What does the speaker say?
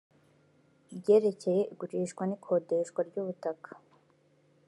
ryerekeye igurishwa n ikodeshwa ry ubutaka